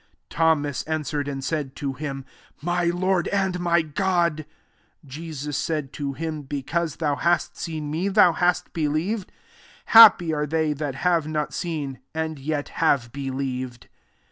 28 Thomas an swered, and said to him, •* My Lord, and my God !"* 29 Jesus said to him, '^ Because thou hast seen nae, thou hast believed; happy are they that have not seen, and yet have believed."